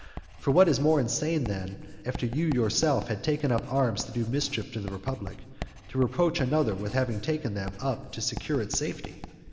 For what is more insane than, after you yourself have taken up arms to do mischief to the republic, to reproach another with having taken them up to secure its safety?